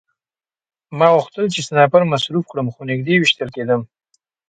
ما غوښتل چې سنایپر مصروف کړم خو نږدې ویشتل کېدم